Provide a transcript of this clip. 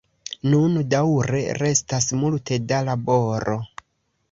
Nun daŭre restas multe da laboro.